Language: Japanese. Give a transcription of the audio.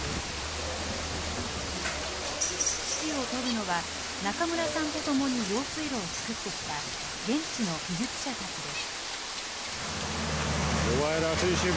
指揮を執るのは、中村さんと共に用水路を作ってきた現地の技術者たちです。